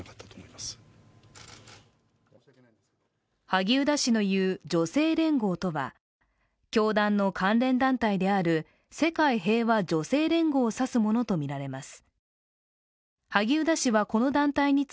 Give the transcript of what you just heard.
萩生田氏の言う、女性連合とは教団の関連団体である世界平和女性連合を指すものとみられます。